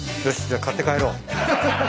じゃあ買って帰ろう。